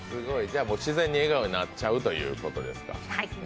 自然に笑顔になっちゃうということですか。